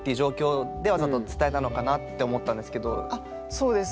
そうです。